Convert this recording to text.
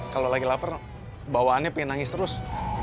kalau lagi lapar bawaannya pengen nangis terus